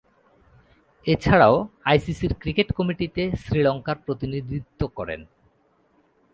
এছাড়াও আইসিসি’র ক্রিকেট কমিটিতে শ্রীলঙ্কার প্রতিনিধিত্ব করেন।